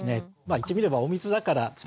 言ってみればお水だからですね